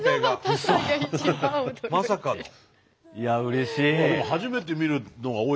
いやうれしい。